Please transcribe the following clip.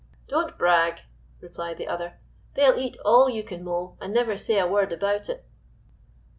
"Don't brag," replied the other; "they'll eat all you can mow and never say a word about it."